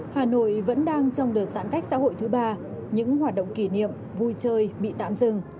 hà nội vẫn đang trong đợt giãn cách xã hội thứ ba những hoạt động kỷ niệm vui chơi bị tạm dừng